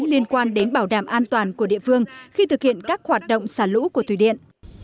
liên quan đến bảo đảm an toàn của địa phương khi thực hiện các hoạt động xả lũ của thủy điện